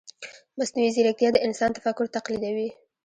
مصنوعي ځیرکتیا د انسان تفکر تقلیدوي.